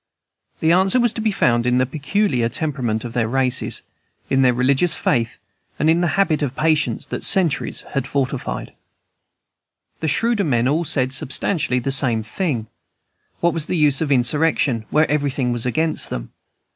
The answer was to be found in the peculiar temperament of the races, in their religious faith, and in the habit of patience that centuries had fortified. The shrewder men all said substantially the same thing. What was the use of insurrection, where everything was against them?